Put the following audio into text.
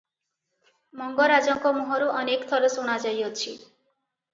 ମଙ୍ଗରାଜଙ୍କ ମୁହଁରୁ ଅନେକ ଥର ଶୁଣାଯାଇଅଛି